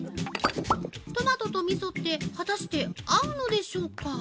トマトとみそって、果たして合うのでしょうか。